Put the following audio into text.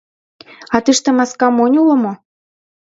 — А тыште маска монь уло мо?